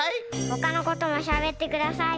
ほかのこともしゃべってください。